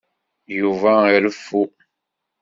Yuba ireffu.